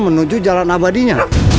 menuju jalan abadinya